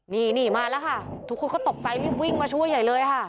นี่มาแล้วค่ะทุกคนก็ตกใจรีบวิ่งมาช่วยใหญ่เลยค่ะ